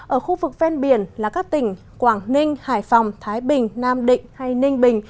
ở khu vực ven biển là các tỉnh quảng ninh hải phòng thái bình nam định hay ninh bình